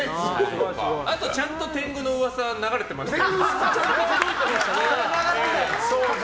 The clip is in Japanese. あと、ちゃんと天狗の噂流れてましたよ。